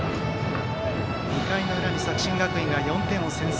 ２回の裏に作新学院が４点を先制。